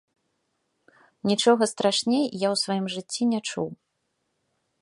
Нічога страшней я ў сваім жыцці не чуў.